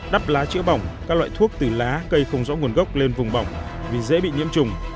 đắp lá chữa bỏng các loại thuốc từ lá cây không rõ nguồn gốc lên vùng bỏng vì dễ bị nhiễm trùng